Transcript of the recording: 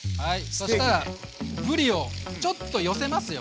そしたらぶりをちょっと寄せますよ。